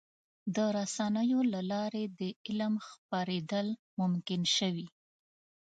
د رسنیو له لارې د علم خپرېدل ممکن شوي.